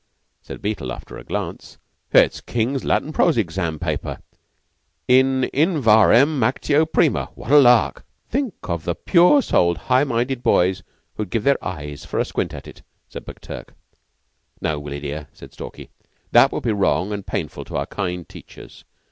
Said Beetle, after a glance: "It's King's Latin prose exam. paper. In In Verrem: actio prima. What a lark!" "Think o' the pure souled, high minded boys who'd give their eyes for a squint at it!" said McTurk. "No, Willie dear," said Stalky; "that would be wrong and painful to our kind teachers.